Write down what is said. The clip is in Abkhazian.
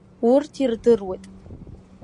Урҭ ирдыруеит…